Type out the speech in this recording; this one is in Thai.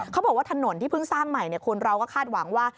เขาบอกว่าถนนที่เพิ่งสร้างใหม่คนเราก็คาดหวังว่า